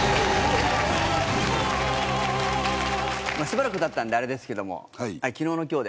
しばらくだったんであれですけども。